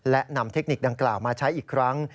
และนำเทคนิคดังกล่าวมาใช้อีกครั้ง